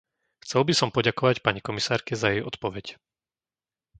Chcel by som poďakovať pani komisárke za jej odpoveď.